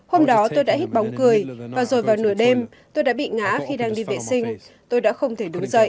hôm đó tôi đã hít bóng cười và rồi vào nửa đêm tôi đã bị ngã khi đang đi vệ sinh